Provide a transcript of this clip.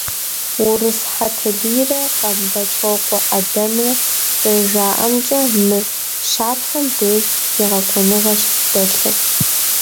Урыс Хьэтэлийрэ Къэмбэчокъуэ ӏэдэмрэ зэрыжаӏэмкӏэ, мы щапхъэм деж зегъэкӏуэныгъэщ дэлъыр.